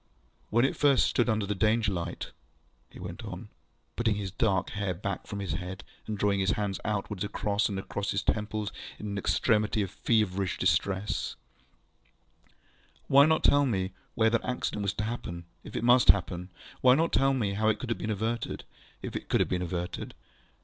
ŌĆ£When it first stood under the Danger light, ŌĆØ he went on, putting his dark hair back from his head, and drawing his hands outward across and across his temples in an extremity of feverish distress, ŌĆ£why not tell me where that accident was to happen, ŌĆöif it must happen? Why not tell me how it could be averted, ŌĆöif it could have been averted?